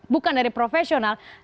bukan dari profesional